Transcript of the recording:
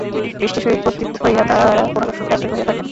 বৃষ্টির সহিত পতিত হইয়া তাঁহারা কোন শস্যকে আশ্রয় করিয়া থাকেন।